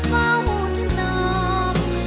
เฝ้าธนอม